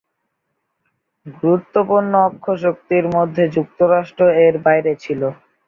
গুরুত্বপূর্ণ অক্ষশক্তির মধ্যে যুক্তরাষ্ট্র এর বাইরে ছিল।